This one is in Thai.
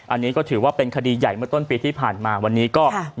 อันนี้ก็ถือว่าเป็นคดีใหญ่เมื่อต้นปีที่ผ่านมาวันนี้ก็